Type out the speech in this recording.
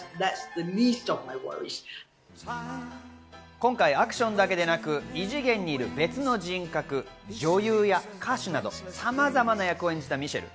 今回、アクションだけでなく異次元にいる別の人格、女優や歌手など様々な役を演じたミシェル。